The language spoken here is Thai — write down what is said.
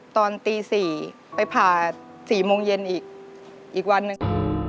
ตอนตี๔ไปผ่า๔โมงเย็นอีกอีกวันหนึ่ง